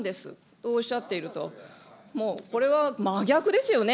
こうおっしゃっていると、これは真逆ですよね。